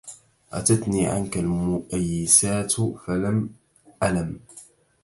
أتتني عنك المؤيسات فلم ألم